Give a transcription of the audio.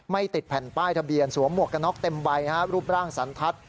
ติดแผ่นป้ายทะเบียนสวมหมวกกระน็อกเต็มใบรูปร่างสันทัศน์